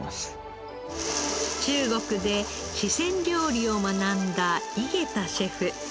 中国で四川料理を学んだ井桁シェフ。